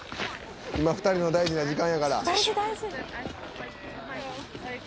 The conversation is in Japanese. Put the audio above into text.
今２人の大事な時間やから」